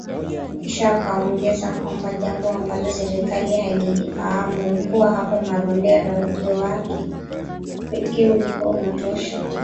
Kisha akaongeza kwamba jambo ambalo serikali hailifahamu ni kuwa hapo Marondera, ujio wake pekee ulikuwa unatosha